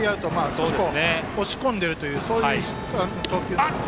少し押し込んでいるという投球内容ですね。